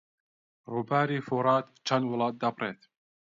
ڕووباری فورات چەند وڵات دەبڕێت؟